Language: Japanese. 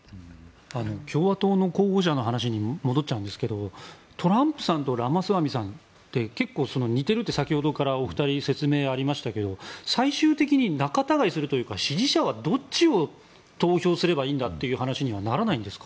共和党の候補者の話に戻っちゃうんですけどトランプさんとラマスワミさんって結構似てるって先ほどから説明がありましたけど最終的に仲たがいするというか支持者は、どっちに投票すればいいんだっていう話にはならないんですか？